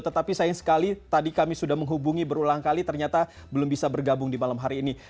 tetapi sayang sekali tadi kami sudah menghubungi berulang kali ternyata belum bisa bergabung di malam hari ini